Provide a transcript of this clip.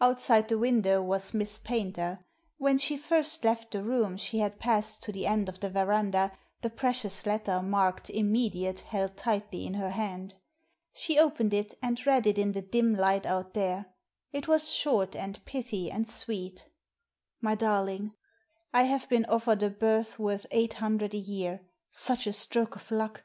Outside the window was Miss Paynter. When she first left the room she had passed to the end of the verandah, the precious letter, marked "Immediate," held tightly in her hand. She opened it, and read Digitized by VjOOQIC 314 THE SEEN AND THE UNSEEN it in the dim light out there. It was short, and pithy, and sweet :— "My Darling, — I have been offered a berth worth eight hundred a year — such a stroke of luck!